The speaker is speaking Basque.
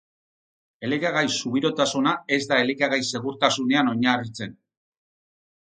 Elikagai-subiranotasuna ez da elikagai segurtasunean oinarritzen.